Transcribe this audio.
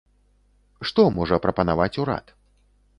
Што можа прапанаваць урад?